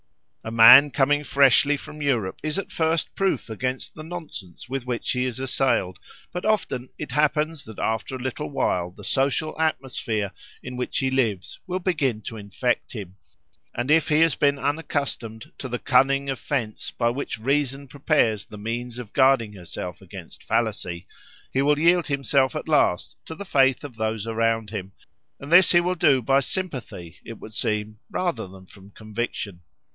A man coming freshly from Europe is at first proof against the nonsense with which he is assailed, but often it happens that after a little while the social atmosphere in which he lives will begin to infect him, and if he has been unaccustomed to the cunning of fence by which Reason prepares the means of guarding herself against fallacy, he will yield himself at last to the faith of those around him, and this he will do by sympathy, it would seem, rather than from conviction.